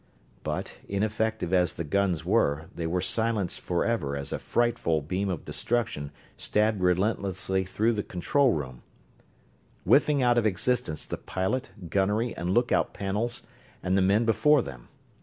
But ineffective as the guns were, they were silenced forever as a frightful beam of destruction stabbed relentlessly through the control room, whiffing out of existence the pilot, gunnery, and lookout panels and the men before them.